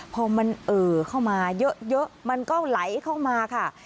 พอมันเอ่อเข้ามาเยอะมันก็ไหลเข้ามาค่ะ